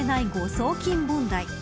送金問題。